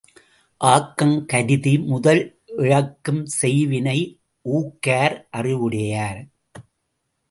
ஆக்கம் கருதி முதல் இழக்கும் செய்வினை ஊக்கார் அறிவுடை யார்.